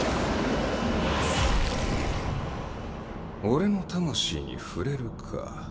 俺の魂に触れるか。